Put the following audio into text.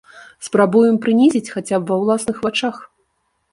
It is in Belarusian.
Спрабуем прынізіць хаця б ва ўласных вачах.